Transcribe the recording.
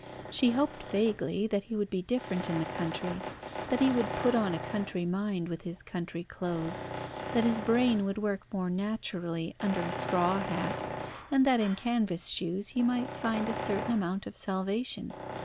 She hoped vaguely that he would be different in the country, that he would put on a country mind with his country clothes, that his brain would work more naturally under a straw hat, and that in canvas shoes he might find a certain amount of salvation.